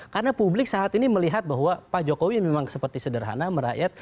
karena publik saat ini melihat bahwa pak jokowi memang seperti sederhana merakyat